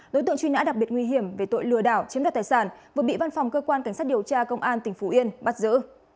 đối tượng truy nã đặc biệt nguy hiểm về tội lừa đảo chiếm đoạt tài sản vừa bị văn phòng cơ quan cảnh sát điều tra công an tỉnh phú yên bắt giữ